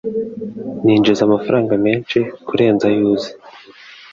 Ninjiza amafaranga menshi kurenza ayo uzi.